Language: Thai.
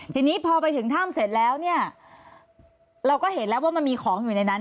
ทีนี้พอไปถึงถ้ำเสร็จแล้วเนี่ยเราก็เห็นแล้วว่ามันมีของอยู่ในนั้น